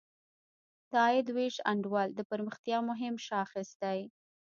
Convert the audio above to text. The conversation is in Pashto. د عاید ویش انډول د پرمختیا یو مهم شاخص دی.